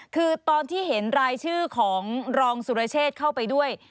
คือตอนที่เห็นรายชื่อของรองสุรเชษเข้าไปด้วย